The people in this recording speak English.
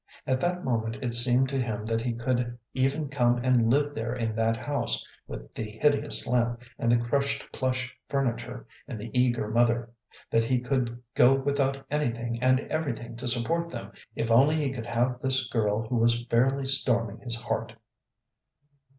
At that moment it seemed to him that he could even come and live there in that house, with the hideous lamp, and the crushed plush furniture, and the eager mother; that he could go without anything and everything to support them if only he could have this girl who was fairly storming his heart.